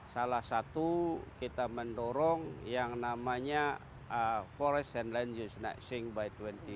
salah satu kita mendorong yang namanya forest and land use net sink by dua ribu tiga puluh